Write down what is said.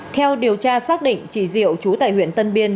theo điều tra xác định chị diệu chú tại huyện tân biên